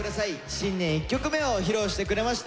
新年１曲目を披露してくれました